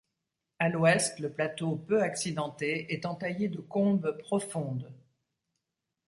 À l'ouest le plateau, peu accidenté, est entaillé de combes profondes.